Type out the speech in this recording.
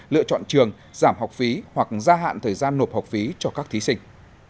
lựa chọn trường giảm học phí hoặc gia hạn thời gian nộp học phí cho các thí sinh